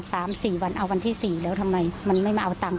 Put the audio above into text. สามสี่วันเอาวันที่สี่แล้วทำไมมันไม่มาเอาตังค์